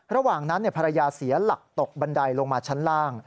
ระหว่างนั้นภรรยาเสียหลักตกบันไดลงมาชั้นล่าง